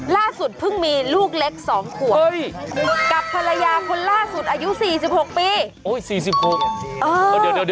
ล่าสุดเพิ่งมีลูกเล็ก๒ขวบกับภรรยาคนล่าสุดอายุ๔๖ปี๔๖อ่ะ